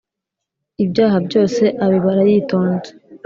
ibyaha byose abibara yitonze.